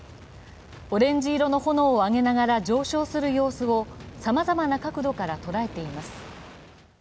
オレンジ色の炎を上げながら上昇する様子をさまざまな角度から捉えています。